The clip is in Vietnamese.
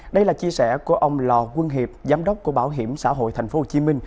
đây là chia sẻ của ông lò quân hiệp giám đốc của bảo hiểm xã hội tp hcm